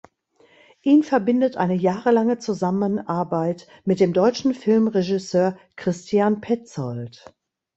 Ihn verbindet eine jahrelange Zusammenarbeit mit dem deutschen Filmregisseur Christian Petzold.